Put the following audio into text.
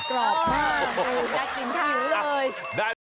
ก็ยังไงล่ะร้านผัดไทยสุโขทัยแค่ที่สุโขทัยนี้